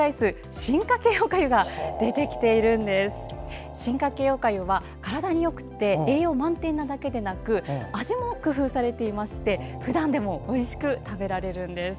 進化形おかゆは体によくて栄養満点なだけじゃなく味も工夫されていて、ふだんでもおいしく食べられるんです。